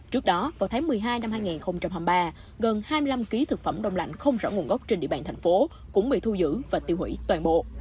trước đó vào tháng một mươi hai năm hai nghìn hai mươi ba gần hai mươi năm kg thực phẩm đông lạnh không rõ nguồn gốc trên địa bàn thành phố cũng bị thu giữ và tiêu hủy toàn bộ